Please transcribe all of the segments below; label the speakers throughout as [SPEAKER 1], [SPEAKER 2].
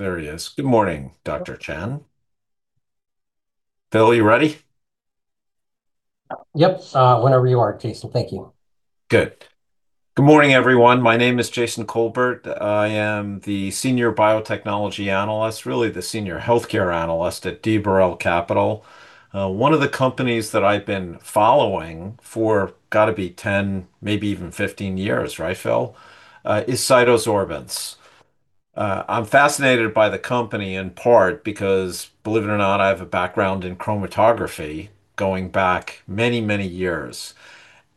[SPEAKER 1] There he is. Good morning, Dr. Chan. Phil, you ready?
[SPEAKER 2] Yep. Whenever you are, Jason. Thank you.
[SPEAKER 1] Good. Good morning, everyone. My name is Jason Kolbert. I am the Senior Biotechnology Analyst, really the Senior Healthcare Analyst at D. Boral Capital. One of the companies that I've been following for, got to be 10, maybe even 15 years, right, Phil, is CytoSorbents. I'm fascinated by the company in part because, believe it or not, I have a background in chromatography going back many, many years.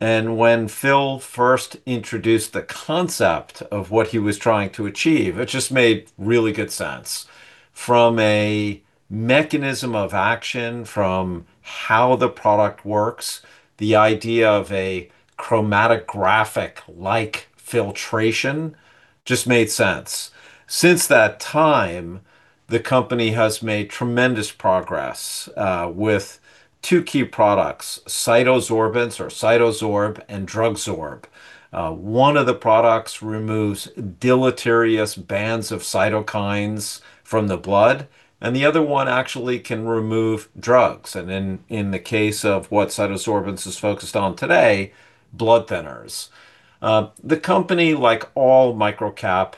[SPEAKER 1] And when Phil first introduced the concept of what he was trying to achieve, it just made really good sense. From a mechanism of action, from how the product works, the idea of a chromatographic-like filtration just made sense. Since that time, the company has made tremendous progress with two key products: CytoSorbents, or CytoSorb, and DrugSorb. One of the products removes deleterious bands of cytokines from the blood, and the other one actually can remove drugs. And in the case of what CytoSorbents is focused on today, blood thinners. The company, like all microcap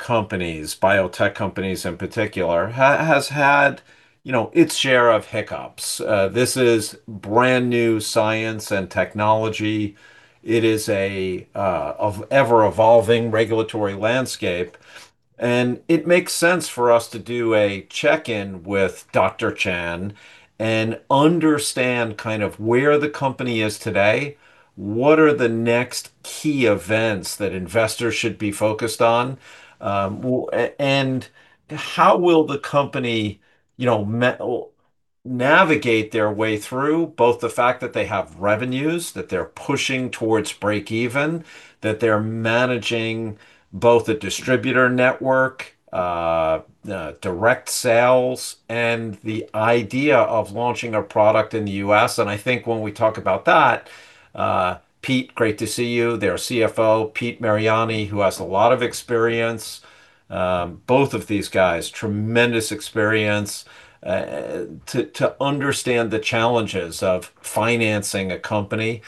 [SPEAKER 1] companies, biotech companies in particular, has had its share of hiccups. This is brand new science and technology. It is an ever-evolving regulatory landscape. And it makes sense for us to do a check-in with Dr. Chan and understand kind of where the company is today, what are the next key events that investors should be focused on, and how will the company navigate their way through both the fact that they have revenues, that they're pushing towards break-even, that they're managing both a distributor network, direct sales, and the idea of launching a product in the U.S. And I think when we talk about that, Pete, great to see you. Their CFO, Pete Mariani, who has a lot of experience, both of these guys, tremendous experience to understand the challenges of financing a company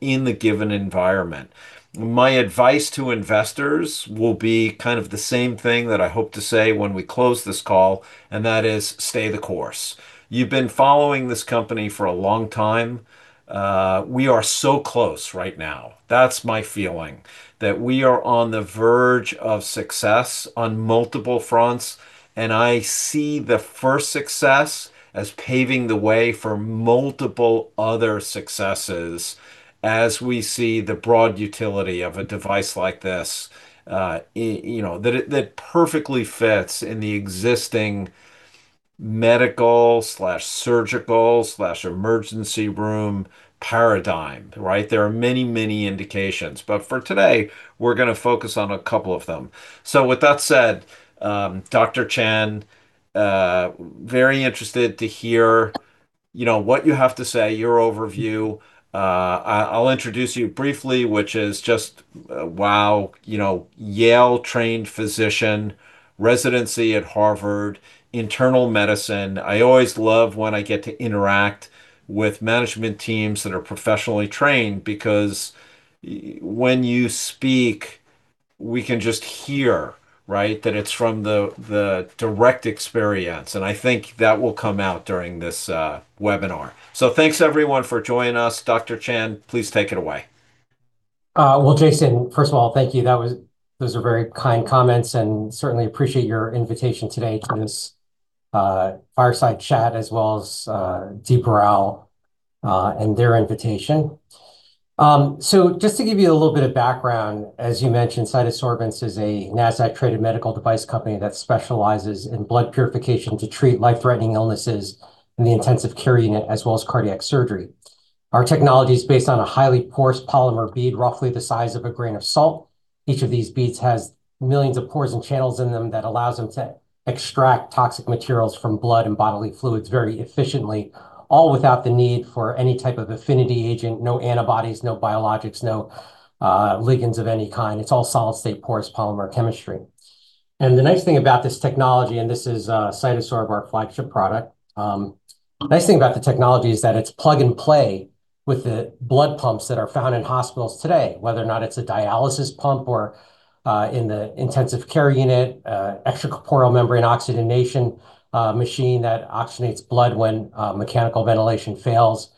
[SPEAKER 1] in the given environment. My advice to investors will be kind of the same thing that I hope to say when we close this call, and that is, stay the course. You've been following this company for a long time. We are so close right now. That's my feeling, that we are on the verge of success on multiple fronts. And I see the first success as paving the way for multiple other successes as we see the broad utility of a device like this, that it perfectly fits in the existing medical/surgical/emergency room paradigm, right? There are many, many indications. But for today, we're going to focus on a couple of them. So with that said, Dr. Chan, very interested to hear what you have to say, your overview. I'll introduce you briefly, which is just, wow, Yale-trained physician, residency at Harvard, internal medicine. I always love when I get to interact with management teams that are professionally trained because when you speak, we can just hear, right, that it's from the direct experience. And I think that will come out during this webinar. So thanks, everyone, for joining us. Dr. Chan, please take it away.
[SPEAKER 2] Jason, first of all, thank you. Those are very kind comments, and certainly appreciate your invitation today to this fireside chat, as well as D. Boral and their invitation. Just to give you a little bit of background, as you mentioned, CytoSorbents is a Nasdaq-traded medical device company that specializes in blood purification to treat life-threatening illnesses in the intensive care unit, as well as cardiac surgery. Our technology is based on a highly porous polymer bead, roughly the size of a grain of salt. Each of these beads has millions of pores and channels in them that allows them to extract toxic materials from blood and bodily fluids very efficiently, all without the need for any type of affinity agent, no antibodies, no biologics, no ligands of any kind. It's all solid-state porous polymer chemistry. And the nice thing about this technology, and this is CytoSorb, our flagship product, the nice thing about the technology is that it's plug-and-play with the blood pumps that are found in hospitals today, whether or not it's a dialysis pump or in the intensive care unit, extracorporeal membrane oxygenation machine that oxygenates blood when mechanical ventilation fails,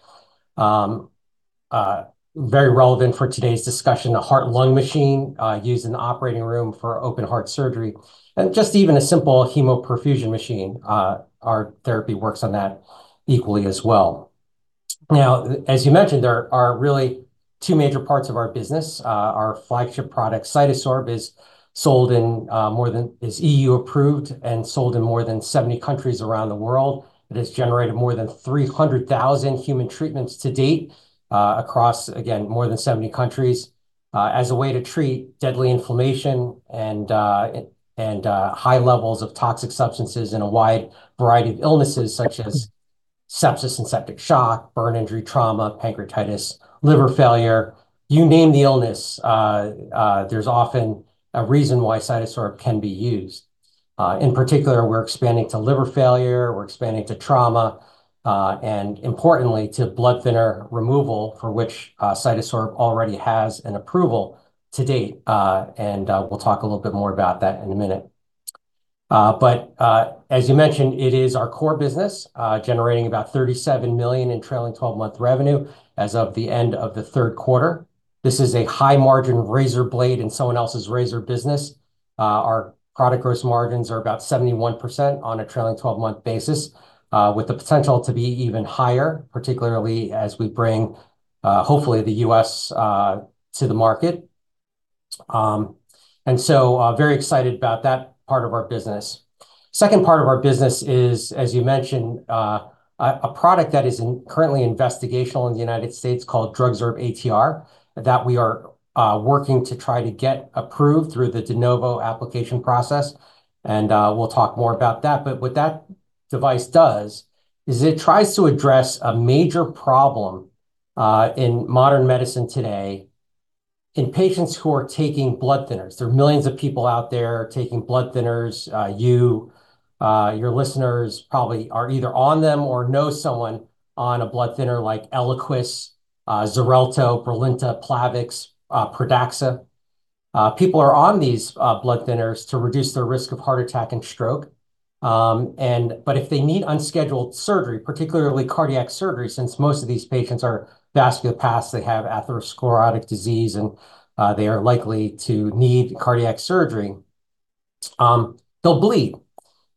[SPEAKER 2] very relevant for today's discussion, a heart-lung machine used in the operating room for open-heart surgery, and just even a simple hemoperfusion machine. Our therapy works on that equally as well. Now, as you mentioned, there are really two major parts of our business. Our flagship product, CytoSorb, is EU-approved and sold in more than 70 countries around the world. It has generated more than 300,000 human treatments to date across, again, more than 70 countries as a way to treat deadly inflammation and high levels of toxic substances in a wide variety of illnesses, such as sepsis and septic shock, burn injury, trauma, pancreatitis, liver failure. You name the illness, there's often a reason why CytoSorb can be used. In particular, we're expanding to liver failure. We're expanding to trauma, and importantly, to blood thinner removal, for which CytoSorb already has an approval to date, and we'll talk a little bit more about that in a minute, but as you mentioned, it is our core business, generating about $37 million in trailing 12-month revenue as of the end of the third quarter. This is a high-margin razor blade in someone else's razor business. Our product gross margins are about 71% on a trailing 12-month basis, with the potential to be even higher, particularly as we bring, hopefully, the U.S. to the market, and so very excited about that part of our business. Second part of our business is, as you mentioned, a product that is currently investigational in the United States called DrugSorb-ATR that we are working to try to get approved through the De Novo application process, and we'll talk more about that, but what that device does is it tries to address a major problem in modern medicine today in patients who are taking blood thinners. There are millions of people out there taking blood thinners. You, your listeners, probably are either on them or know someone on a blood thinner like Eliquis, Xarelto, Brilinta, Plavix, Pradaxa. People are on these blood thinners to reduce their risk of heart attack and stroke. But if they need unscheduled surgery, particularly cardiac surgery, since most of these patients are vasculopaths, they have atherosclerotic disease, and they are likely to need cardiac surgery, they'll bleed.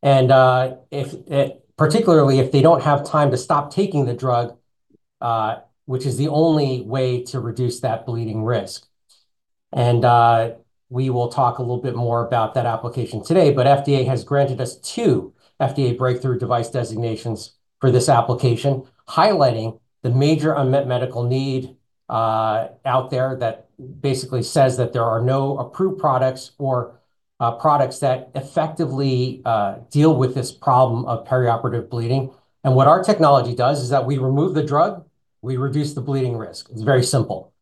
[SPEAKER 2] And particularly if they don't have time to stop taking the drug, which is the only way to reduce that bleeding risk. And we will talk a little bit more about that application today. But FDA has granted us two FDA breakthrough device designations for this application, highlighting the major unmet medical need out there that basically says that there are no approved products or products that effectively deal with this problem of perioperative bleeding. And what our technology does is that we remove the drug, we reduce the bleeding risk. It's very simple.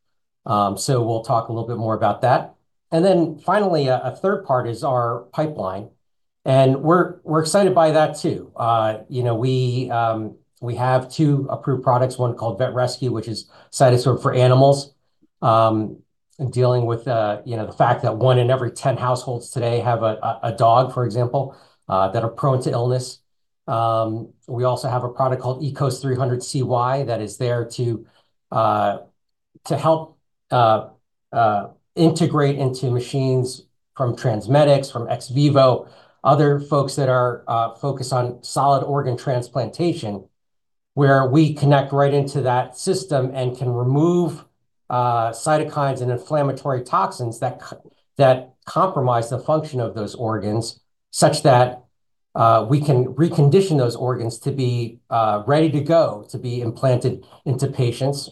[SPEAKER 2] So we'll talk a little bit more about that. And then finally, a third part is our pipeline. And we're excited by that too. We have two approved products, one called VetResQ, which is CytoSorb for animals, dealing with the fact that one in every 10 households today have a dog, for example, that are prone to illness. We also have a product called ECOS-300CY that is there to help integrate into machines from TransMedics, from XVIVO, other folks that are focused on solid organ transplantation, where we connect right into that system and can remove cytokines and inflammatory toxins that compromise the function of those organs such that we can recondition those organs to be ready to go, to be implanted into patients,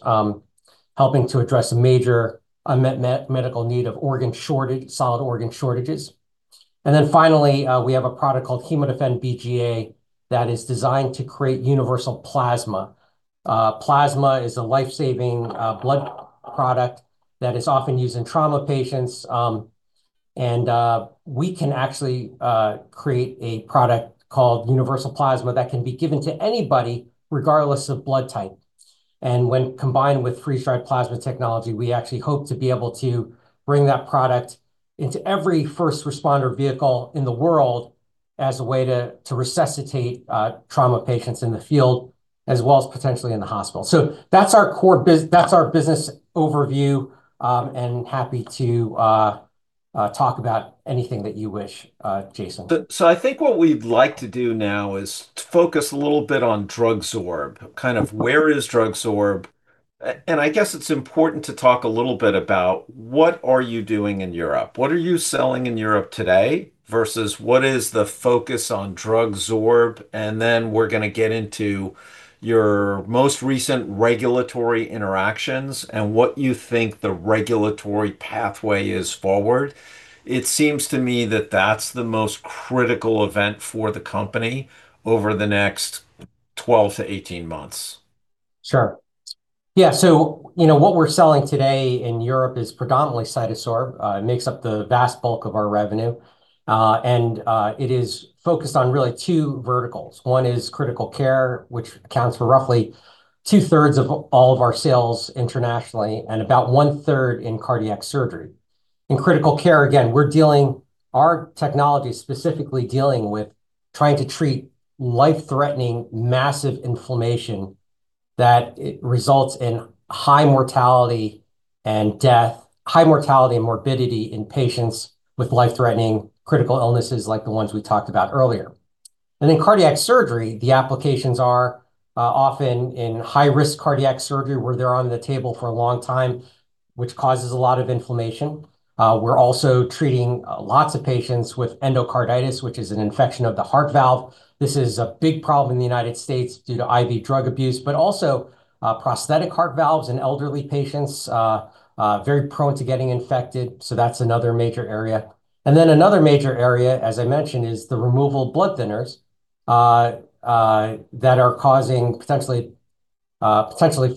[SPEAKER 2] helping to address a major unmet medical need of solid organ shortages. And then finally, we have a product called HemoDefend-BGA that is designed to create universal plasma. Plasma is a lifesaving blood product that is often used in trauma patients, and we can actually create a product called universal plasma that can be given to anybody, regardless of blood type, and when combined with freeze-dried plasma technology, we actually hope to be able to bring that product into every first responder vehicle in the world as a way to resuscitate trauma patients in the field, as well as potentially in the hospital, so that's our business overview, and happy to talk about anything that you wish, Jason.
[SPEAKER 1] So I think what we'd like to do now is focus a little bit on DrugSorb. Kind of where is DrugSorb? And I guess it's important to talk a little bit about what are you doing in Europe? What are you selling in Europe today versus what is the focus on DrugSorb? And then we're going to get into your most recent regulatory interactions and what you think the regulatory pathway is forward. It seems to me that that's the most critical event for the company over the next 12-18 months.
[SPEAKER 2] Sure. Yeah. So what we're selling today in Europe is predominantly CytoSorb. It makes up the vast bulk of our revenue and is focused on really two verticals. One is critical care, which accounts for roughly 2/3 of all of our sales internationally and about 1/3 in cardiac surgery. In critical care, again, our technology is specifically dealing with trying to treat life-threatening massive inflammation that results in high mortality and death, high mortality and morbidity in patients with life-threatening critical illnesses like the ones we talked about earlier, and in cardiac surgery, the applications are often in high-risk cardiac surgery where they're on the table for a long time, which causes a lot of inflammation. We're also treating lots of patients with endocarditis, which is an infection of the heart valve. This is a big problem in the United States due to IV drug abuse, but also prosthetic heart valves in elderly patients, very prone to getting infected. So that's another major area. And then another major area, as I mentioned, is the removal of blood thinners that are causing potentially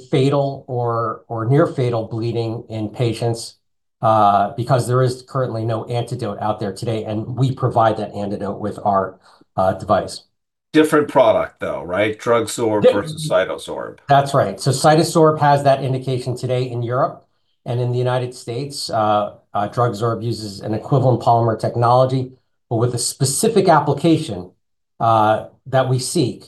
[SPEAKER 2] fatal or near-fatal bleeding in patients because there is currently no antidote out there today. And we provide that antidote with our device.
[SPEAKER 1] Different product, though, right? DrugSorb versus CytoSorb.
[SPEAKER 2] That's right. So CytoSorb has that indication today in Europe. And in the United States, DrugSorb uses an equivalent polymer technology, but with a specific application that we seek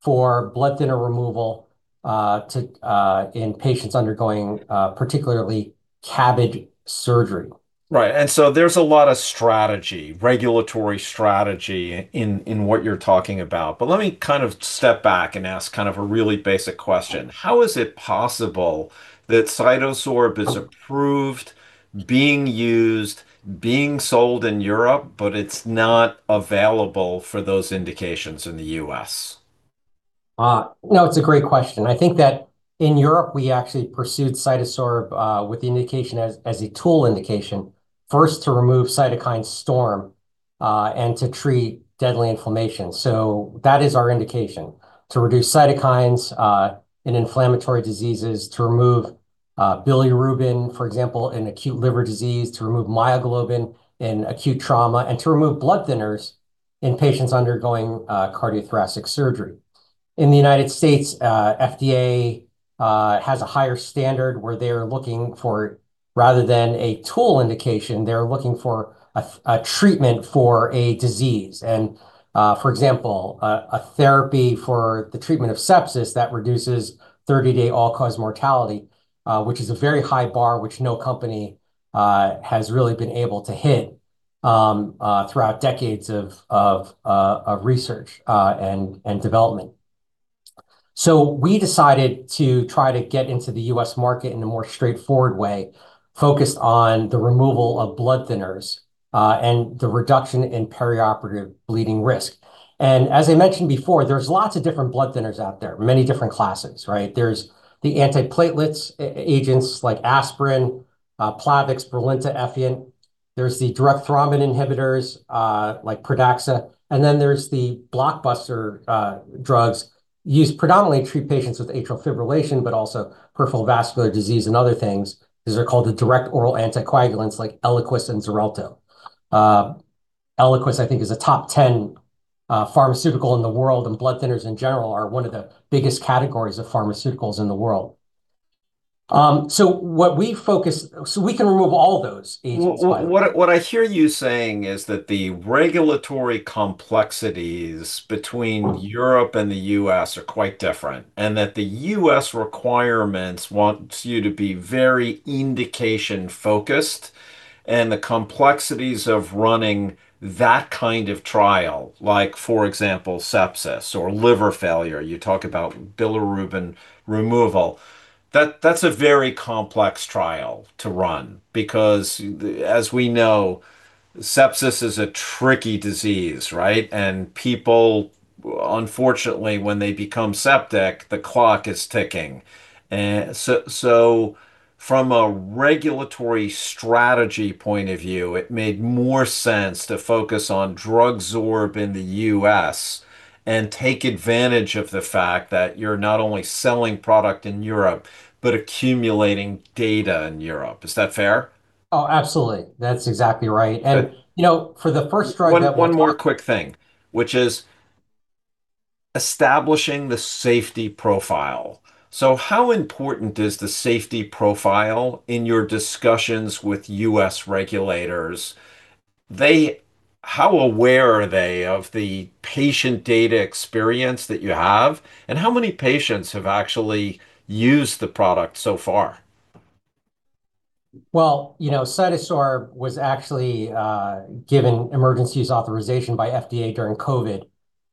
[SPEAKER 2] for blood thinner removal in patients undergoing particularly CABG surgery.
[SPEAKER 1] Right. And so there's a lot of strategy, regulatory strategy in what you're talking about. But let me kind of step back and ask kind of a really basic question. How is it possible that CytoSorb is approved, being used, being sold in Europe, but it's not available for those indications in the U.S.?
[SPEAKER 2] No, it's a great question. I think that in Europe, we actually pursued CytoSorb with the indication as a tool indication, first to remove cytokine storm and to treat deadly inflammation. So that is our indication to reduce cytokines in inflammatory diseases, to remove bilirubin, for example, in acute liver disease, to remove myoglobin in acute trauma, and to remove blood thinners in patients undergoing cardiothoracic surgery. In the United States, FDA has a higher standard where they are looking for, rather than a tool indication, they are looking for a treatment for a disease, and for example, a therapy for the treatment of sepsis that reduces 30-day all-cause mortality, which is a very high bar, which no company has really been able to hit throughout decades of research and development. We decided to try to get into the U.S. market in a more straightforward way, focused on the removal of blood thinners and the reduction in perioperative bleeding risk. And as I mentioned before, there's lots of different blood thinners out there, many different classes, right? There's the anti-platelet agents like aspirin, Plavix, Brilinta, Effient. There's the direct thrombin inhibitors like Pradaxa. And then there's the blockbuster drugs used predominantly to treat patients with atrial fibrillation, but also peripheral vascular disease and other things. These are called the direct oral anticoagulants like Eliquis and Xarelto. Eliquis, I think, is a top 10 pharmaceutical in the world, and blood thinners in general are one of the biggest categories of pharmaceuticals in the world. So we can remove all those agents.
[SPEAKER 1] What I hear you saying is that the regulatory complexities between Europe and the U.S. are quite different and that the U.S. requirements want you to be very indication-focused and the complexities of running that kind of trial, like for example, sepsis or liver failure, you talk about bilirubin removal, that's a very complex trial to run because as we know, sepsis is a tricky disease, right? And people, unfortunately, when they become septic, the clock is ticking. And so from a regulatory strategy point of view, it made more sense to focus on DrugSorb in the U.S. and take advantage of the fact that you're not only selling product in Europe, but accumulating data in Europe. Is that fair?
[SPEAKER 2] Oh, absolutely. That's exactly right. And for the first drug that we're going to.
[SPEAKER 1] One more quick thing, which is establishing the safety profile. So how important is the safety profile in your discussions with U.S. regulators? How aware are they of the patient data experience that you have? And how many patients have actually used the product so far?
[SPEAKER 2] CytoSorb was actually given emergency authorization by FDA during COVID,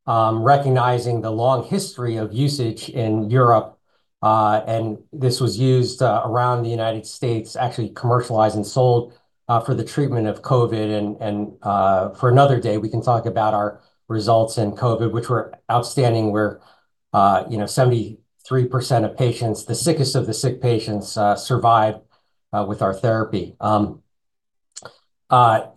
[SPEAKER 2] recognizing the long history of usage in Europe. This was used around the United States, actually commercialized and sold for the treatment of COVID. For another day, we can talk about our results in COVID, which were outstanding. 73% of patients, the sickest of the sick patients, survived with our therapy.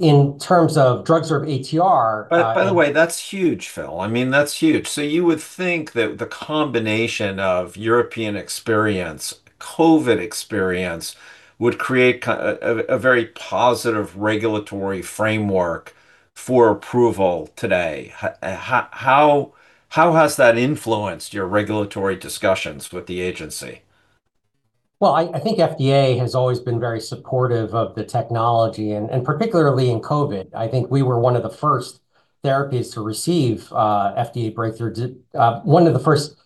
[SPEAKER 2] In terms of DrugSorb-ATR.
[SPEAKER 1] By the way, that's huge, Phil. I mean, that's huge. So you would think that the combination of European experience, COVID experience, would create a very positive regulatory framework for approval today. How has that influenced your regulatory discussions with the agency?
[SPEAKER 2] I think FDA has always been very supportive of the technology. Particularly in COVID, I think we were one of the first therapies to receive FDA breakthrough, one of the first,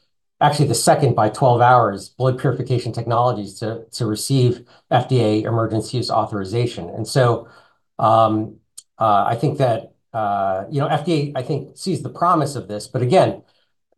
[SPEAKER 2] actually the second by 12 hours, blood purification technologies to receive FDA emergency use authorization. I think that FDA, I think, sees the promise of this. Again,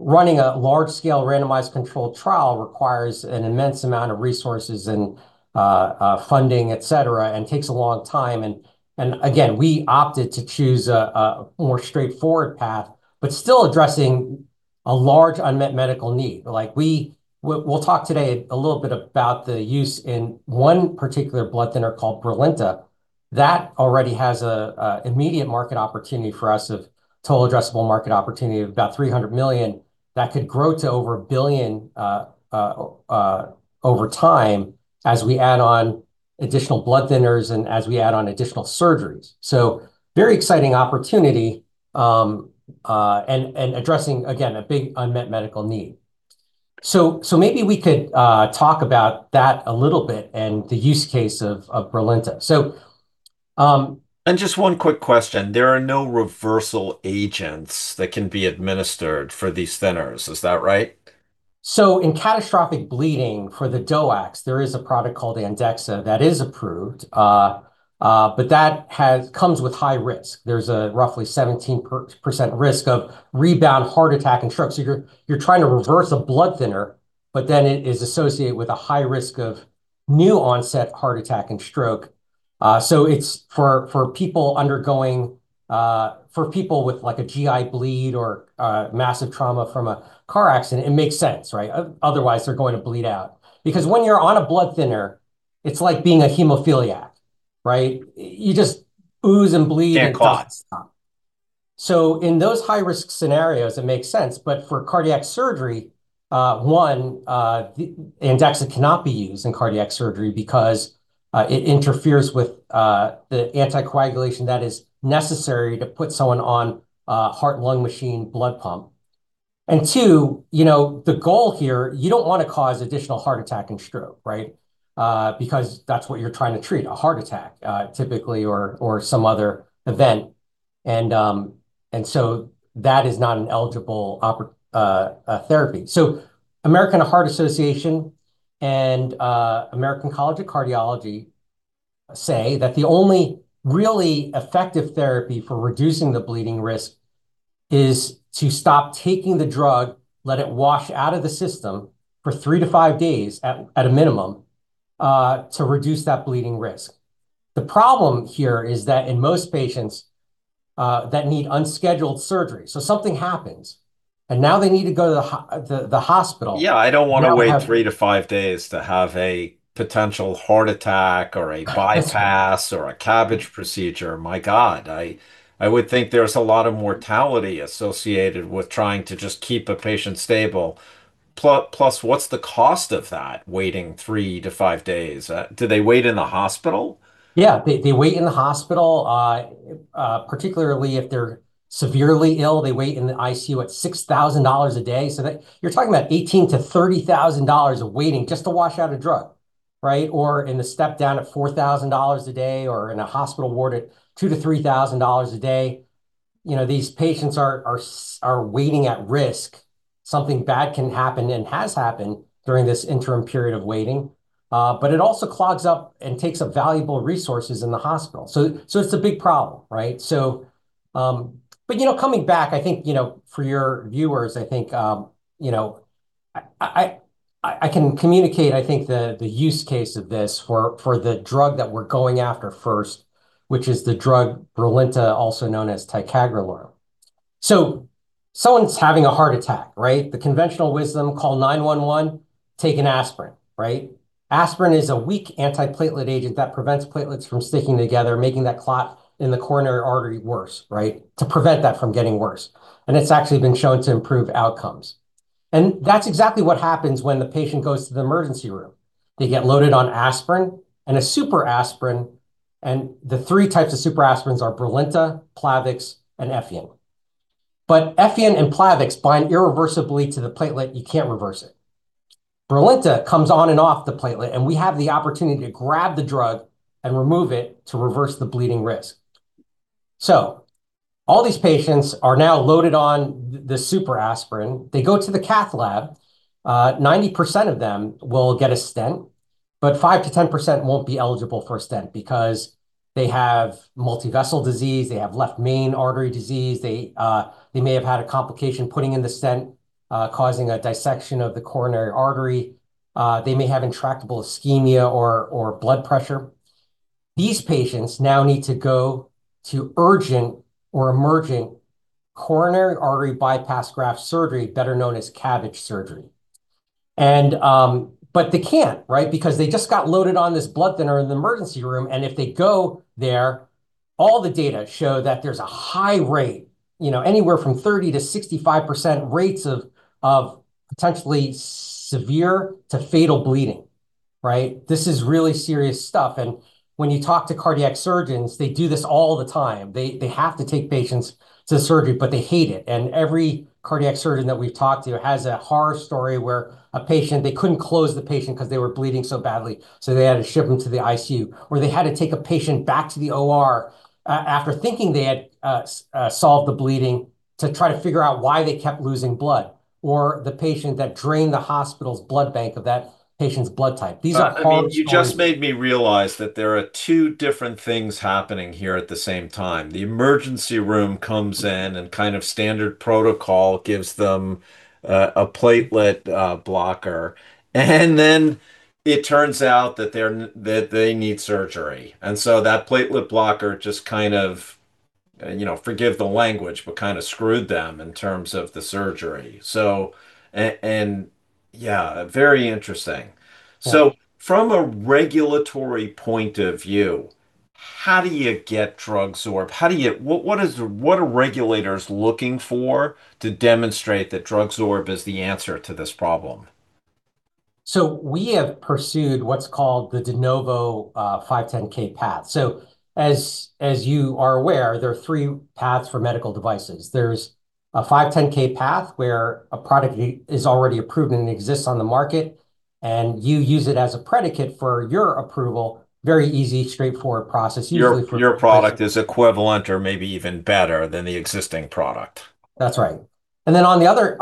[SPEAKER 2] running a large-scale randomized controlled trial requires an immense amount of resources and funding, etc., and takes a long time. Again, we opted to choose a more straightforward path, but still addressing a large unmet medical need. We'll talk today a little bit about the use in one particular blood thinner called Brilinta. That already has an immediate market opportunity for us, a total addressable market opportunity of about $300 million that could grow to over $1 billion over time as we add on additional blood thinners and as we add on additional surgeries, so very exciting opportunity and addressing, again, a big unmet medical need, so maybe we could talk about that a little bit and the use case of Brilinta.
[SPEAKER 1] And just one quick question. There are no reversal agents that can be administered for these thinners, is that right?
[SPEAKER 2] In catastrophic bleeding for the DOACs, there is a product called Andexxa that is approved, but that comes with high risk. There's a roughly 17% risk of rebound heart attack and stroke. So you're trying to reverse a blood thinner, but then it is associated with a high risk of new onset heart attack and stroke. So for people with like a GI bleed or massive trauma from a car accident, it makes sense, right? Otherwise, they're going to bleed out. Because when you're on a blood thinner, it's like being a hemophiliac, right? You just ooze and bleed and clots stop. So in those high-risk scenarios, it makes sense. But for cardiac surgery, one, Andexxa cannot be used in cardiac surgery because it interferes with the anticoagulation that is necessary to put someone on a heart-lung machine blood pump. Two, the goal here, you don't want to cause additional heart attack and stroke, right? Because that's what you're trying to treat, a heart attack typically or some other event. And so that is not an eligible therapy. So American Heart Association and American College of Cardiology say that the only really effective therapy for reducing the bleeding risk is to stop taking the drug, let it wash out of the system for three-to-five days at a minimum to reduce that bleeding risk. The problem here is that in most patients that need unscheduled surgery, so something happens, and now they need to go to the hospital.
[SPEAKER 1] Yeah, I don't want to wait three-to-five days to have a potential heart attack or a bypass or a CABG procedure. My God, I would think there's a lot of mortality associated with trying to just keep a patient stable. Plus, what's the cost of that waiting three-to-five days? Do they wait in the hospital?
[SPEAKER 2] Yeah, they wait in the hospital, particularly if they're severely ill. They wait in the ICU at $6,000 a day. So you're talking about $18,000-$30,000 of waiting just to wash out a drug, right? Or in the step-down at $4,000 a day or in a hospital ward at $2,000-$3,000 a day. These patients are waiting at risk. Something bad can happen and has happened during this interim period of waiting. But it also clogs up and takes up valuable resources in the hospital. So it's a big problem, right? But coming back, I think for your viewers, I think I can communicate, I think, the use case of this for the drug that we're going after first, which is the drug Brilinta, also known as ticagrelor. So someone's having a heart attack, right? The conventional wisdom, call 911, take an aspirin, right? Aspirin is a weak anti-platelet agent that prevents platelets from sticking together, making that clot in the coronary artery worse, right? To prevent that from getting worse. And it's actually been shown to improve outcomes. And that's exactly what happens when the patient goes to the emergency room. They get loaded on aspirin and a super aspirin. And the three types of super aspirins are Brilinta, Plavix, and Effient. But Effient and Plavix bind irreversibly to the platelet. You can't reverse it. Brilinta comes on and off the platelet, and we have the opportunity to grab the drug and remove it to reverse the bleeding risk. So all these patients are now loaded on the super aspirin. They go to the cath lab. 90% of them will get a stent, but 5%-10% won't be eligible for a stent because they have multivessel disease. They have left main artery disease. They may have had a complication putting in the stent, causing a dissection of the coronary artery. They may have intractable ischemia or blood pressure. These patients now need to go to urgent or emergent coronary artery bypass graft surgery, better known as CABG surgery. But they can't, right? Because they just got loaded on this blood thinner in the emergency room. And if they go there, all the data show that there's a high rate, anywhere from 30%-65% rates of potentially severe to fatal bleeding, right? This is really serious stuff. And when you talk to cardiac surgeons, they do this all the time. They have to take patients to surgery, but they hate it. And every cardiac surgeon that we've talked to has a horror story where a patient, they couldn't close the patient because they were bleeding so badly. So they had to ship them to the ICU, or they had to take a patient back to the OR after thinking they had solved the bleeding to try to figure out why they kept losing blood, or the patient that drained the hospital's blood bank of that patient's blood type. These are all.
[SPEAKER 1] You just made me realize that there are two different things happening here at the same time. The emergency room comes in and kind of standard protocol gives them a platelet blocker, and then it turns out that they need surgery, and so that platelet blocker just kind of, forgive the language, but kind of screwed them in terms of the surgery, so yeah, very interesting. From a regulatory point of view, how do you get DrugSorb? What are regulators looking for to demonstrate that DrugSorb is the answer to this problem?
[SPEAKER 2] So we have pursued what's called the De Novo 510(k) path. So as you are aware, there are three paths for medical devices. There's a 510(k) path where a product is already approved and exists on the market, and you use it as a predicate for your approval, very easy, straightforward process.
[SPEAKER 1] Your product is equivalent or maybe even better than the existing product.
[SPEAKER 2] That's right. And then on the other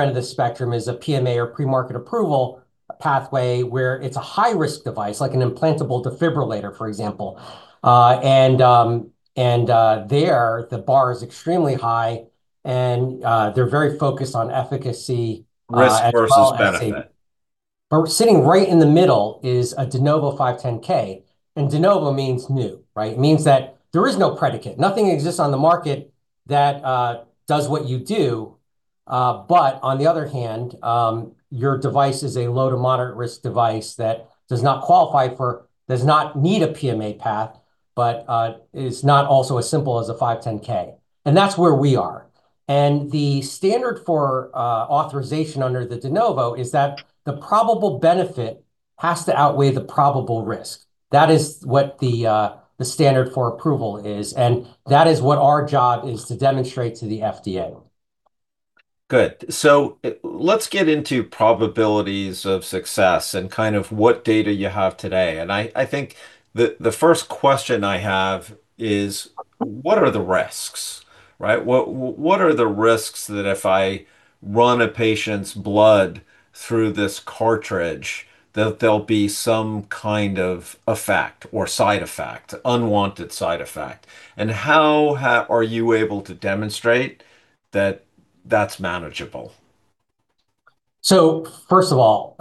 [SPEAKER 2] end of the spectrum is a PMA or Premarket Approval pathway where it's a high-risk device, like an implantable defibrillator, for example. And there, the bar is extremely high, and they're very focused on efficacy.
[SPEAKER 1] Risk versus benefit.
[SPEAKER 2] But sitting right in the middle is a De Novo 510(k). And De Novo means new, right? It means that there is no predicate. Nothing exists on the market that does what you do. But on the other hand, your device is a low to moderate-risk device that does not qualify for, does not need a PMA path, but is not also as simple as a 510(k). And that's where we are. And the standard for authorization under the De Novo is that the probable benefit has to outweigh the probable risk. That is what the standard for approval is. And that is what our job is to demonstrate to the FDA.
[SPEAKER 1] Good. So let's get into probabilities of success and kind of what data you have today. And I think the first question I have is, what are the risks, right? What are the risks that if I run a patient's blood through this cartridge, that there'll be some kind of effect or side effect, unwanted side effect? And how are you able to demonstrate that that's manageable?
[SPEAKER 2] So first of all,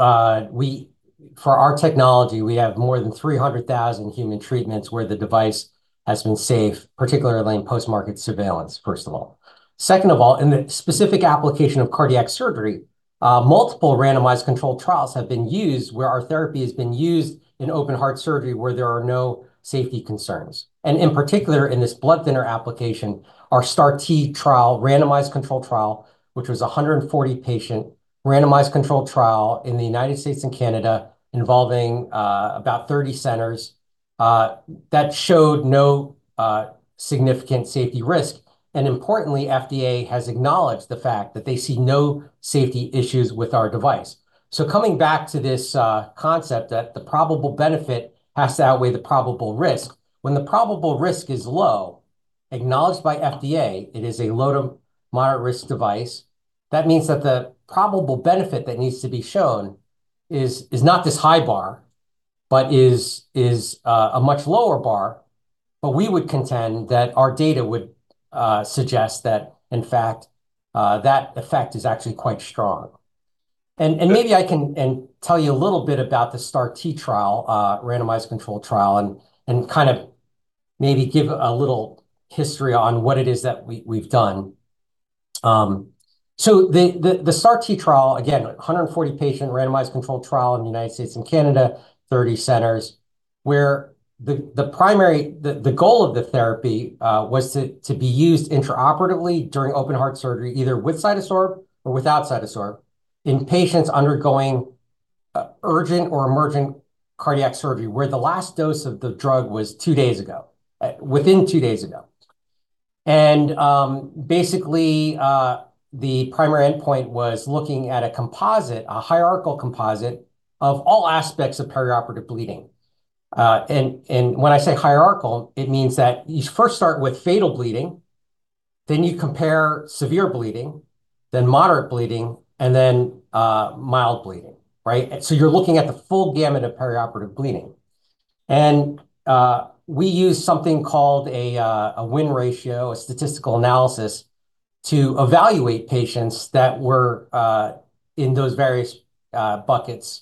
[SPEAKER 2] for our technology, we have more than 300,000 human treatments where the device has been safe, particularly in post-market surveillance, first of all. Second of all, in the specific application of cardiac surgery, multiple randomized controlled trials have been used where our therapy has been used in open heart surgery where there are no safety concerns. And in particular, in this blood thinner application, our STAR-T trial, randomized controlled trial, which was a 140-patient randomized controlled trial in the United States and Canada involving about 30 centers, that showed no significant safety risk. And importantly, FDA has acknowledged the fact that they see no safety issues with our device. So coming back to this concept that the probable benefit has to outweigh the probable risk, when the probable risk is low, acknowledged by FDA, it is a low to moderate-risk device, that means that the probable benefit that needs to be shown is not this high bar, but is a much lower bar. But we would contend that our data would suggest that, in fact, that effect is actually quite strong. And maybe I can tell you a little bit about the STAR-T trial, randomized controlled trial, and kind of maybe give a little history on what it is that we've done. The STAR-T trial, again, 140-patient randomized controlled trial in the United States and Canada, 30 centers, where the goal of the therapy was to be used intraoperatively during open heart surgery, either with CytoSorb or without CytoSorb in patients undergoing urgent or emergent cardiac surgery where the last dose of the drug was two days ago, within two days ago. Basically, the primary endpoint was looking at a composite, a hierarchical composite of all aspects of perioperative bleeding. When I say hierarchical, it means that you first start with fatal bleeding, then you compare severe bleeding, then moderate bleeding, and then mild bleeding, right? You're looking at the full gamut of perioperative bleeding. We use something called a win ratio, a statistical analysis, to evaluate patients that were in those various buckets,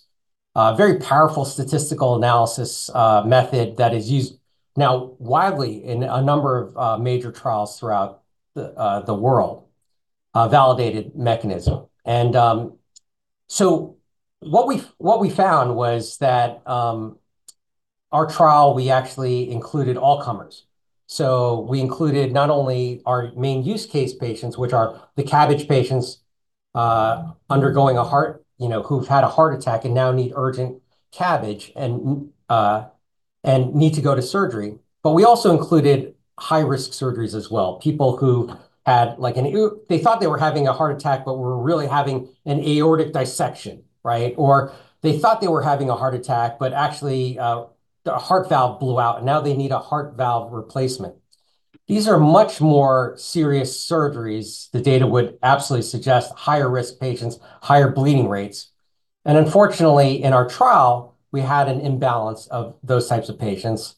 [SPEAKER 2] a very powerful statistical analysis method that is used now widely in a number of major trials throughout the world, a validated mechanism. So what we found was that our trial, we actually included all comers. We included not only our main use case patients, which are the CABG patients undergoing a heart, who've had a heart attack and now need urgent CABG and need to go to surgery, but we also included high-risk surgeries as well. People who had, they thought they were having a heart attack, but were really having an aortic dissection, right? Or they thought they were having a heart attack, but actually the heart valve blew out, and now they need a heart valve replacement. These are much more serious surgeries, the data would absolutely suggest, higher-risk patients, higher bleeding rates. And unfortunately, in our trial, we had an imbalance of those types of patients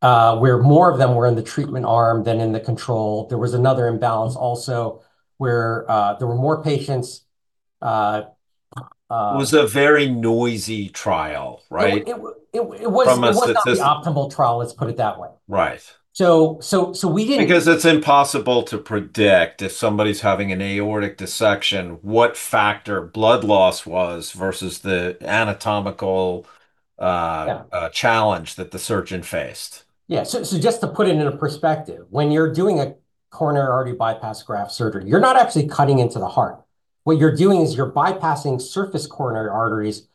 [SPEAKER 2] where more of them were in the treatment arm than in the control. There was another imbalance also where there were more patients.
[SPEAKER 1] It was a very noisy trial, right?
[SPEAKER 2] It wasn't the optimal trial, let's put it that way.
[SPEAKER 1] Right.
[SPEAKER 2] We didn't.
[SPEAKER 1] Because it's impossible to predict if somebody's having an aortic dissection, what factor blood loss was versus the anatomical challenge that the surgeon faced.
[SPEAKER 2] Yeah, so just to put it in perspective, when you're doing a coronary artery bypass graft surgery, you're not actually cutting into the heart. What you're doing is you're bypassing surface coronary arteries,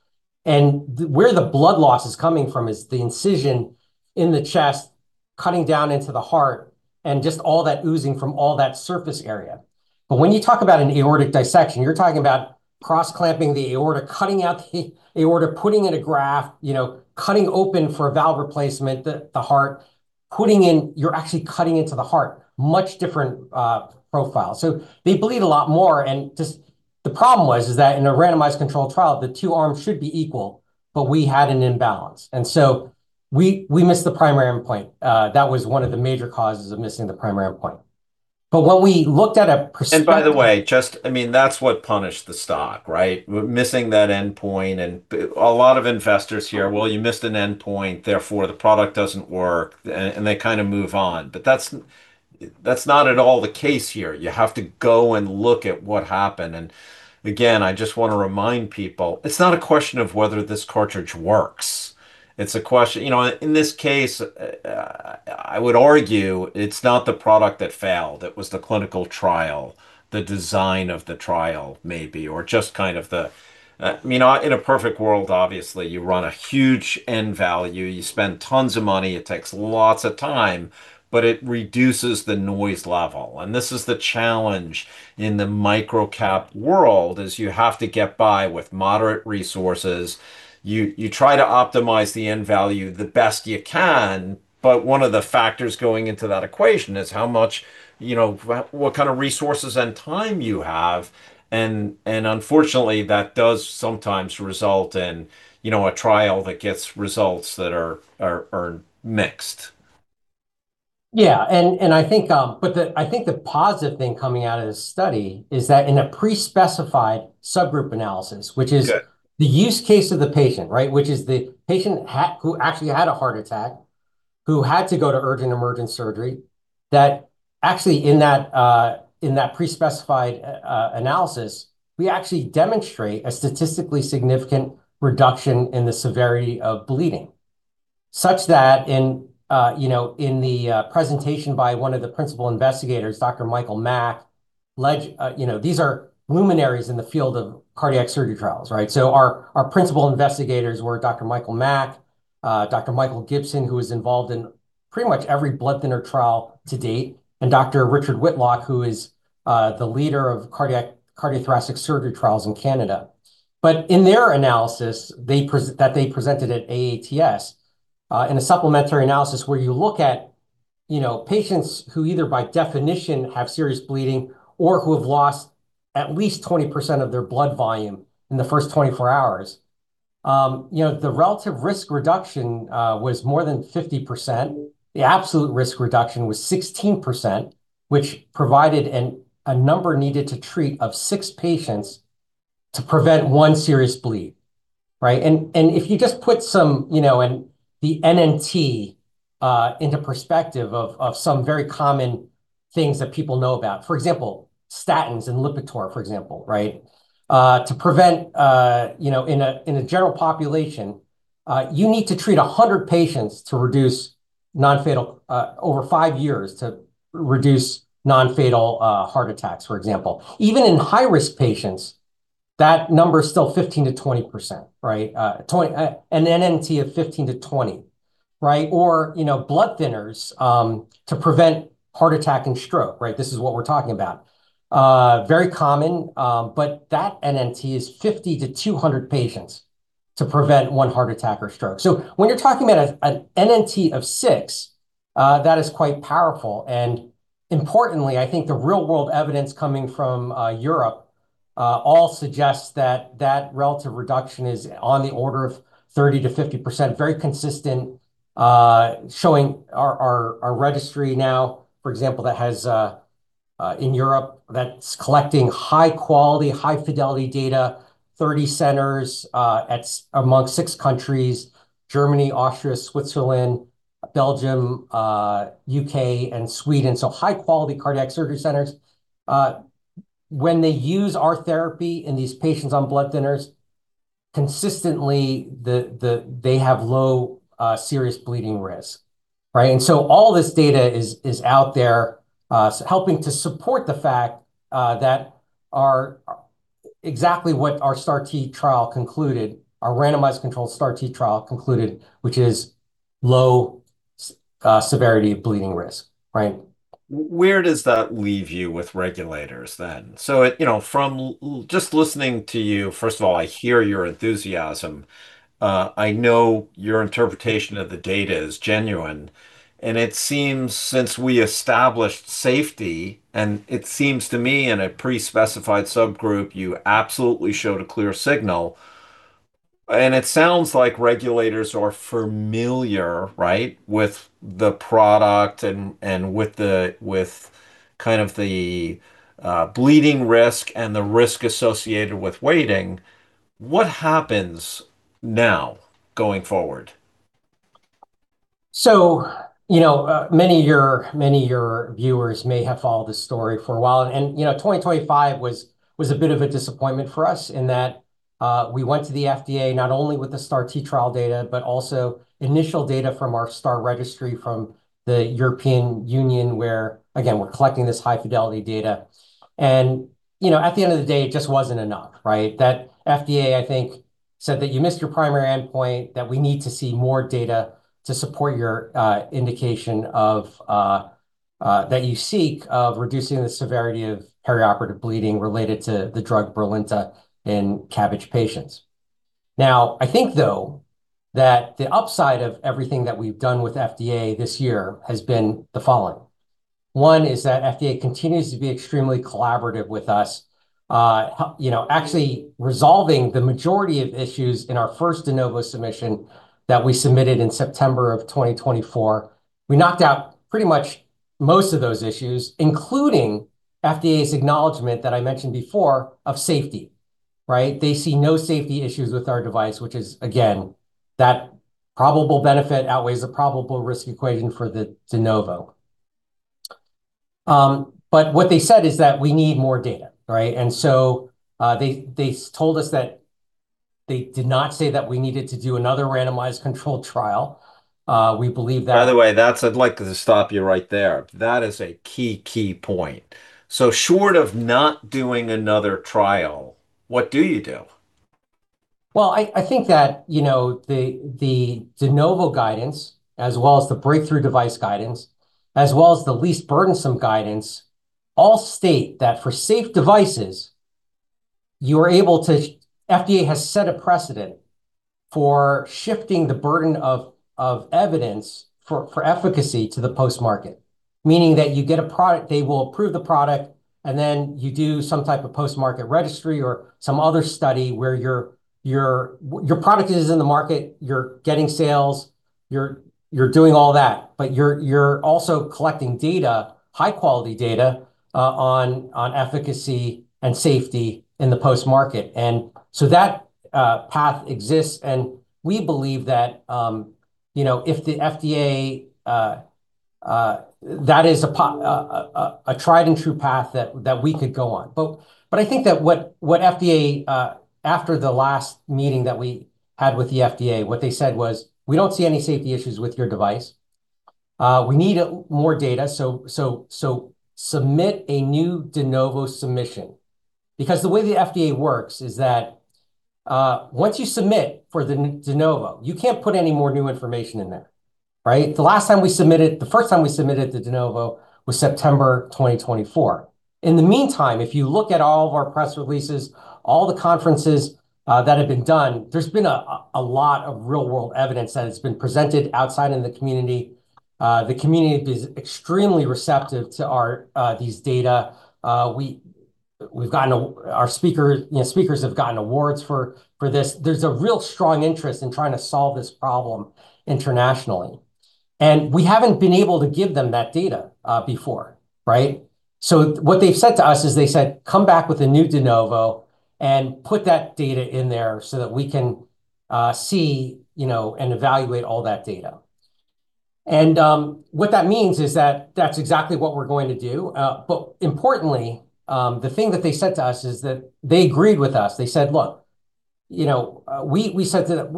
[SPEAKER 2] and where the blood loss is coming from is the incision in the chest, cutting down into the heart, and just all that oozing from all that surface area, but when you talk about an aortic dissection, you're talking about cross-clamping the aorta, cutting out the aorta, putting in a graft, cutting open for valve replacement, the heart, putting in, you're actually cutting into the heart, much different profile, so they bleed a lot more, and the problem was that in a randomized controlled trial, the two arms should be equal, but we had an imbalance, and so we missed the primary endpoint. That was one of the major causes of missing the primary endpoint. But when we looked at a.
[SPEAKER 1] And by the way, just, I mean, that's what punished the stock, right? Missing that endpoint. And a lot of investors here, well, you missed an endpoint, therefore the product doesn't work, and they kind of move on. But that's not at all the case here. You have to go and look at what happened. And again, I just want to remind people, it's not a question of whether this cartridge works. It's a question, in this case, I would argue it's not the product that failed. It was the clinical trial, the design of the trial maybe, or just kind of the, I mean, in a perfect world, obviously, you run a huge N value, you spend tons of money, it takes lots of time, but it reduces the noise level. And this is the challenge in the microcap world is you have to get by with moderate resources. You try to optimize the end value the best you can, but one of the factors going into that equation is how much, what kind of resources and time you have, and unfortunately, that does sometimes result in a trial that gets results that are mixed.
[SPEAKER 2] Yeah. And I think the positive thing coming out of this study is that in a pre-specified subgroup analysis, which is the use case of the patient, right, which is the patient who actually had a heart attack, who had to go to urgent emergent surgery, that actually in that pre-specified analysis, we actually demonstrate a statistically significant reduction in the severity of bleeding, such that in the presentation by one of the principal investigators, Dr. Michael Mack, these are luminaries in the field of cardiac surgery trials, right? So our principal investigators were Dr. Michael Mack, Dr. Michael Gibson, who was involved in pretty much every blood thinner trial to date, and Dr. Richard Whitlock, who is the leader of cardiothoracic surgery trials in Canada. But in their analysis that they presented at AATS, in a supplementary analysis where you look at patients who either by definition have serious bleeding or who have lost at least 20% of their blood volume in the first 24 hours, the relative risk reduction was more than 50%. The absolute risk reduction was 16%, which provided a number needed to treat of six patients to prevent one serious bleed, right? And if you just put that and the NNT into perspective of some very common things that people know about, for example, statins and Lipitor, for example, right? To prevent in a general population, you need to treat 100 patients to reduce non-fatal, over five years to reduce non-fatal heart attacks, for example. Even in high-risk patients, that number is still 15%-20%, right? An NNT of 15-20, right? Or blood thinners to prevent heart attack and stroke, right? This is what we're talking about. Very common, but that NNT is 50-200 patients to prevent one heart attack or stroke. So when you're talking about an NNT of six, that is quite powerful. And importantly, I think the real-world evidence coming from Europe all suggests that that relative reduction is on the order of 30%-50%, very consistent, showing our registry now, for example, that has in Europe that's collecting high-quality, high-fidelity data, 30 centers among six countries, Germany, Austria, Switzerland, Belgium, U.K., and Sweden. So high-quality cardiac surgery centers. When they use our therapy in these patients on blood thinners, consistently, they have low serious bleeding risk, right? All this data is out there helping to support the fact that exactly what our STAR-T trial concluded, our randomized controlled STAR-T trial concluded, which is low severity of bleeding risk, right?
[SPEAKER 1] Where does that leave you with regulators then? So from just listening to you, first of all, I hear your enthusiasm. I know your interpretation of the data is genuine. And it seems since we established safety, and it seems to me in a pre-specified subgroup, you absolutely showed a clear signal. And it sounds like regulators are familiar, right, with the product and with kind of the bleeding risk and the risk associated with waiting. What happens now going forward?
[SPEAKER 2] Many of your viewers may have followed this story for a while. 2025 was a bit of a disappointment for us in that we went to the FDA not only with the STAR-T trial data, but also initial data from our STAR registry from the European Union, where, again, we're collecting this high-fidelity data. And at the end of the day, it just wasn't enough, right? The FDA, I think, said that you missed your primary endpoint, that we need to see more data to support your indication that you seek of reducing the severity of perioperative bleeding related to the drug Brilinta in CABG patients. Now, I think, though, that the upside of everything that we've done with FDA this year has been the following. One is that FDA continues to be extremely collaborative with us, actually resolving the majority of issues in our first De Novo submission that we submitted in September of 2024. We knocked out pretty much most of those issues, including FDA's acknowledgment that I mentioned before of safety, right? They see no safety issues with our device, which is, again, that probable benefit outweighs the probable risk equation for the De Novo. But what they said is that we need more data, right? And so they told us that they did not say that we needed to do another randomized controlled trial. We believe that.
[SPEAKER 1] By the way, I'd like to stop you right there. That is a key, key point. So short of not doing another trial, what do you do?
[SPEAKER 2] I think that the De Novo guidance, as well as the breakthrough device guidance, as well as the least burdensome guidance, all state that for safe devices, you are able to. FDA has set a precedent for shifting the burden of evidence for efficacy to the post-market, meaning that you get a product, they will approve the product, and then you do some type of post-market registry or some other study where your product is in the market, you're getting sales, you're doing all that, but you're also collecting data, high-quality data on efficacy and safety in the post-market. And so that path exists. And we believe that if the FDA, that is a tried and true path that we could go on. But I think that what FDA, after the last meeting that we had with the FDA, what they said was, "We don't see any safety issues with your device. We need more data. So submit a new De Novo submission." Because the way the FDA works is that once you submit for the De Novo, you can't put any more new information in there, right? The last time we submitted, the first time we submitted the De Novo was September 2024. In the meantime, if you look at all of our press releases, all the conferences that have been done, there's been a lot of real-world evidence that has been presented outside in the community. The community is extremely receptive to these data. Our speakers have gotten awards for this. There's a real strong interest in trying to solve this problem internationally. And we haven't been able to give them that data before, right? So what they've said to us is they said, "Come back with a new De Novo and put that data in there so that we can see and evaluate all that data." And what that means is that that's exactly what we're going to do. But importantly, the thing that they said to us is that they agreed with us. They said, "Look, we said that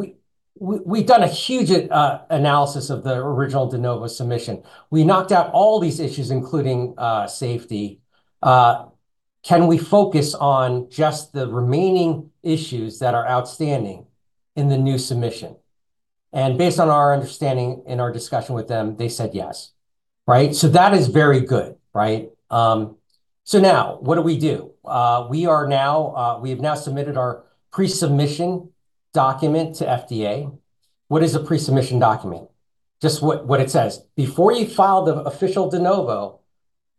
[SPEAKER 2] we've done a huge analysis of the original De Novo submission. We knocked out all these issues, including safety. Can we focus on just the remaining issues that are outstanding in the new submission?" And based on our understanding in our discussion with them, they said yes, right? So that is very good, right? So now, what do we do? We have now submitted our pre-submission document to FDA. What is a pre-submission document? Just what it says. Before you file the official De Novo,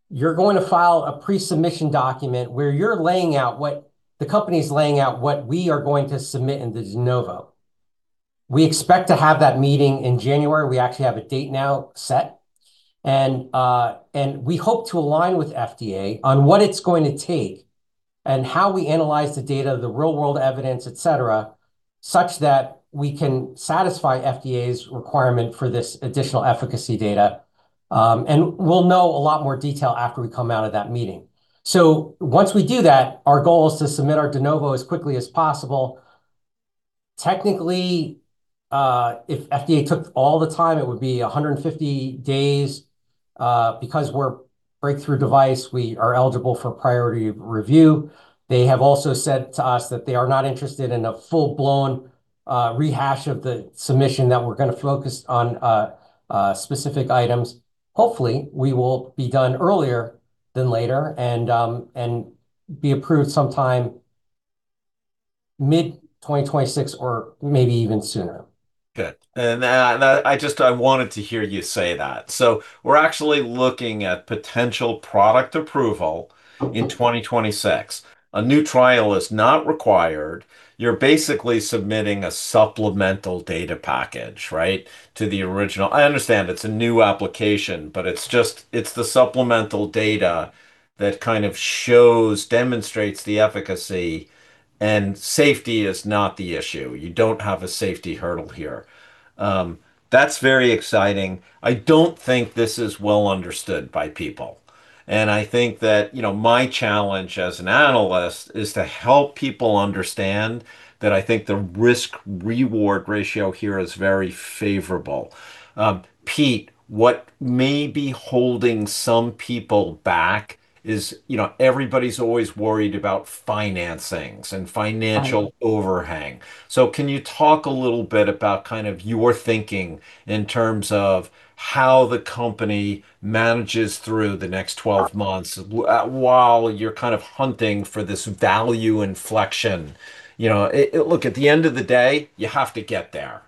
[SPEAKER 2] you're going to file a pre-submission document where you're laying out what we are going to submit in the De Novo. We expect to have that meeting in January. We actually have a date now set, and we hope to align with FDA on what it's going to take and how we analyze the data, the real-world evidence, etc., such that we can satisfy FDA's requirement for this additional efficacy data, and we'll know a lot more detail after we come out of that meeting, so once we do that, our goal is to submit our De Novo as quickly as possible. Technically, if FDA took all the time, it would be 150 days. Because we're a breakthrough device, we are eligible for priority review. They have also said to us that they are not interested in a full-blown rehash of the submission that we're going to focus on specific items. Hopefully, we will be done earlier than later and be approved sometime mid-2026 or maybe even sooner.
[SPEAKER 1] Good. And I wanted to hear you say that. So we're actually looking at potential product approval in 2026. A new trial is not required. You're basically submitting a supplemental data package, right, to the original. I understand it's a new application, but it's the supplemental data that kind of shows, demonstrates the efficacy, and safety is not the issue. You don't have a safety hurdle here. That's very exciting. I don't think this is well understood by people. And I think that my challenge as an analyst is to help people understand that I think the risk-reward ratio here is very favorable. Pete, what may be holding some people back is everybody's always worried about financings and financial overhang. So can you talk a little bit about kind of your thinking in terms of how the company manages through the next 12 months while you're kind of hunting for this value inflection? Look, at the end of the day, you have to get there.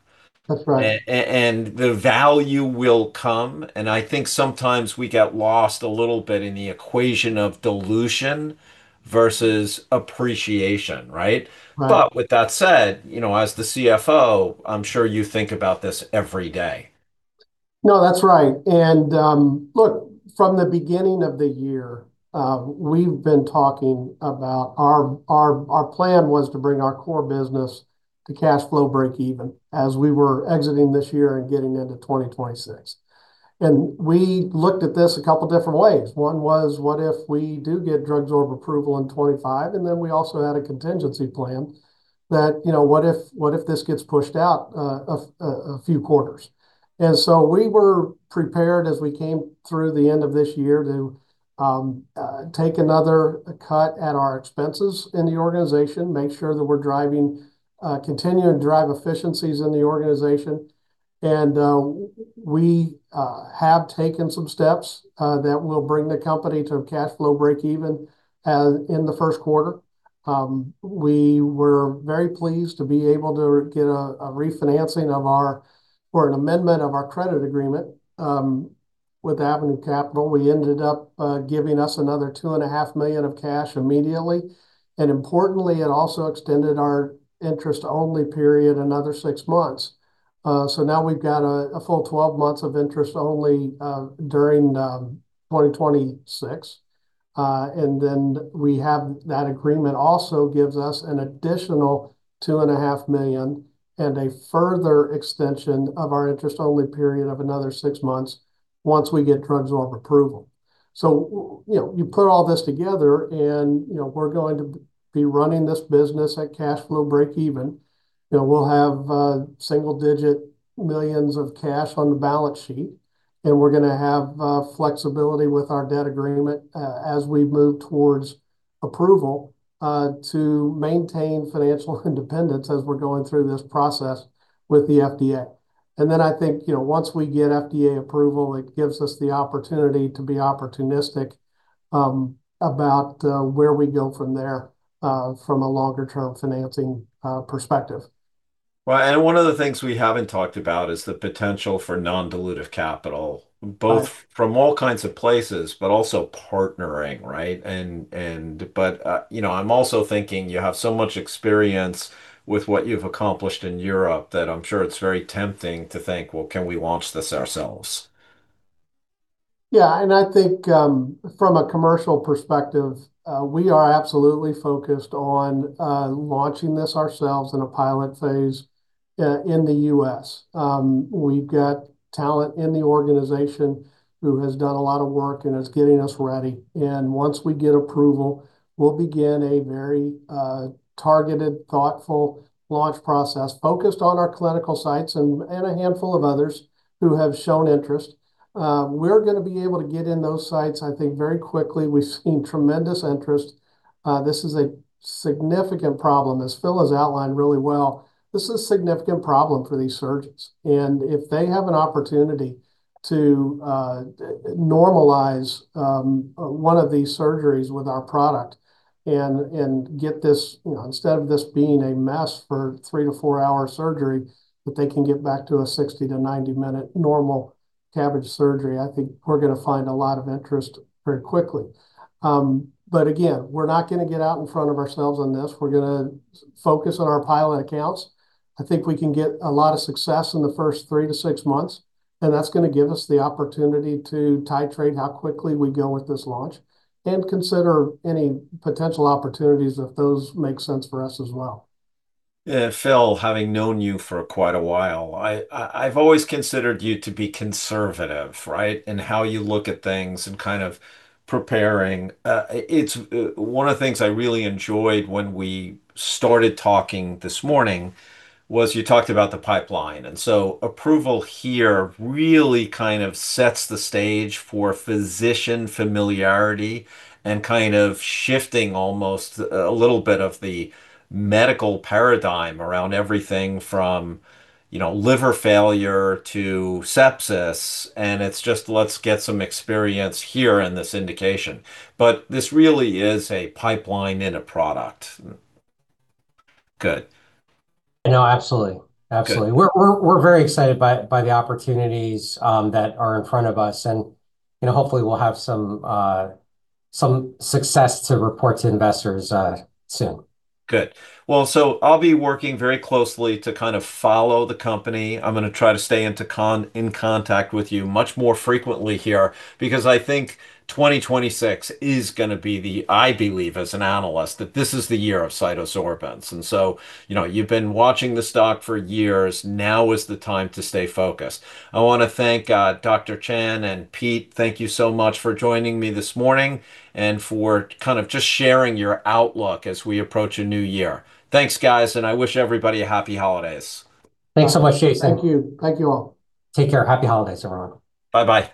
[SPEAKER 3] That's right.
[SPEAKER 1] And the value will come. And I think sometimes we get lost a little bit in the equation of dilution versus appreciation, right? But with that said, as the CFO, I'm sure you think about this every day.
[SPEAKER 3] No, that's right. And look, from the beginning of the year, we've been talking about our plan was to bring our core business to cash flow break-even as we were exiting this year and getting into 2026. And we looked at this a couple of different ways. One was, what if we do get DrugSorb-ATR approval in 2025? And then we also had a contingency plan that, what if this gets pushed out a few quarters? And so we were prepared as we came through the end of this year to take another cut at our expenses in the organization, make sure that we're continuing to drive efficiencies in the organization. And we have taken some steps that will bring the company to cash flow break-even in the first quarter. We were very pleased to be able to get a refinancing of our or an amendment of our credit agreement with Avenue Capital. We ended up giving us another $2.5 million of cash immediately. And importantly, it also extended our interest-only period another six months. So now we've got a full 12 months of interest-only during 2026. And then we have that agreement also gives us an additional $2.5 million and a further extension of our interest-only period of another six months once we get DrugSorb-ATR approval. So you put all this together, and we're going to be running this business at cash flow break-even. We'll have single-digit millions of cash on the balance sheet. And we're going to have flexibility with our debt agreement as we move towards approval to maintain financial independence as we're going through this process with the FDA. Then I think once we get FDA approval, it gives us the opportunity to be opportunistic about where we go from there from a longer-term financing perspective.
[SPEAKER 1] Well, and one of the things we haven't talked about is the potential for non-dilutive capital, both from all kinds of places, but also partnering, right? But I'm also thinking you have so much experience with what you've accomplished in Europe that I'm sure it's very tempting to think, "Well, can we launch this ourselves?
[SPEAKER 3] Yeah, and I think from a commercial perspective, we are absolutely focused on launching this ourselves in a pilot phase in the U.S. We've got talent in the organization who has done a lot of work and is getting us ready. And once we get approval, we'll begin a very targeted, thoughtful launch process focused on our clinical sites and a handful of others who have shown interest. We're going to be able to get in those sites, I think, very quickly. We've seen tremendous interest. This is a significant problem. As Phil has outlined really well, this is a significant problem for these surgeons. If they have an opportunity to normalize one of these surgeries with our product and get this, instead of this being a mess for 3-4 hour surgery, that they can get back to a 60-90 minute normal CABG surgery, I think we're going to find a lot of interest very quickly. But again, we're not going to get out in front of ourselves on this. We're going to focus on our pilot accounts. I think we can get a lot of success in the first three to six months. And that's going to give us the opportunity to titrate how quickly we go with this launch and consider any potential opportunities if those make sense for us as well.
[SPEAKER 1] Phil, having known you for quite a while, I've always considered you to be conservative, right, in how you look at things and kind of preparing. One of the things I really enjoyed when we started talking this morning was you talked about the pipeline. And so approval here really kind of sets the stage for physician familiarity and kind of shifting almost a little bit of the medical paradigm around everything from liver failure to sepsis. And it's just, "Let's get some experience here in this indication." But this really is a pipeline in a product. Good.
[SPEAKER 2] No, absolutely. Absolutely. We're very excited by the opportunities that are in front of us, and hopefully, we'll have some success to report to investors soon.
[SPEAKER 1] Good. Well, so I'll be working very closely to kind of follow the company. I'm going to try to stay in contact with you much more frequently here because I think 2026 is going to be the, I believe, as an analyst, that this is the year of CytoSorbents. And so you've been watching the stock for years. Now is the time to stay focused. I want to thank Dr. Chan and Pete. Thank you so much for joining me this morning and for kind of just sharing your outlook as we approach a new year. Thanks, guys. And I wish everybody a happy holidays.
[SPEAKER 2] Thanks so much, Jason.
[SPEAKER 3] Thank you. Thank you all.
[SPEAKER 2] Take care. Happy Holidays, everyone.
[SPEAKER 1] Bye-bye.